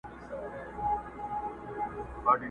دا څه سِر دی په لاسونو د انسان کي!!